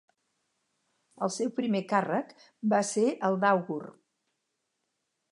El seu primer càrrec va ser el d'àugur.